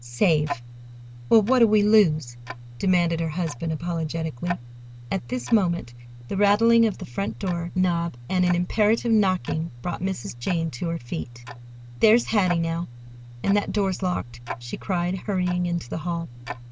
"Save! Well, what do we lose?" demanded her husband apoplectically. At this moment the rattling of the front door knob and an imperative knocking brought Mrs. Jane to her feet. "There's Hattie, now, and that door's locked," she cried, hurrying into the hall.